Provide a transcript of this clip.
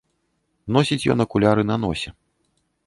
Носіць ён акуляры на носе.